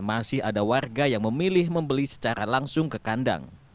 masih ada warga yang memilih membeli secara langsung ke kandang